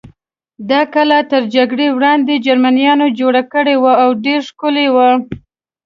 دا کلا تر جګړې وړاندې جرمنیان جوړه کړې وه او ډېره ښکلې وه.